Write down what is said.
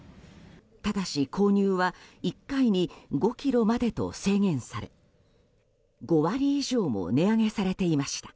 ただし、購入は１回に５ｋｇまでと制限され５割以上も値上げされていました。